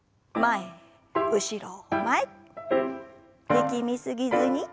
力み過ぎずに。